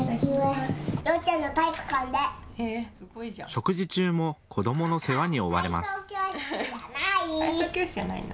食事中も子どもの世話に追われます。